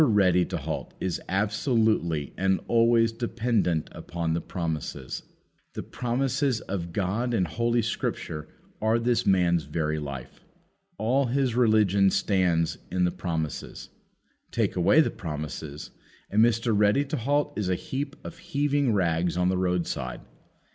Ready to halt is absolutely and always dependent upon the promises. The promises of God in Holy Scripture are this man's very life. All his religion stands in the promises. Take away the promises, and Mr. Ready to halt is a heap of heaving rags on the roadside.